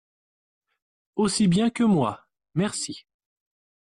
Aussi bien que moi ! merci.